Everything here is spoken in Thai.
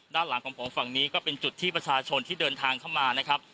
ด้านหลังของผมฝั่งนี้ก็เป็นจุดที่ประชาชนที่เดินทางเข้ามานะครับ